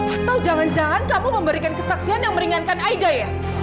atau jangan jangan kamu memberikan kesaksian yang meringankan aida ya